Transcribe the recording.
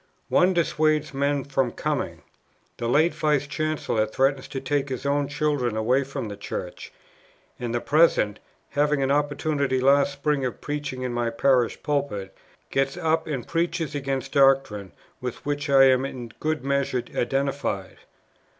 One dissuades men from coming; the late Vice Chancellor threatens to take his own children away from the Church; and the present, having an opportunity last spring of preaching in my parish pulpit, gets up and preaches against doctrine with which I am in good measure identified.